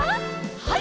はい！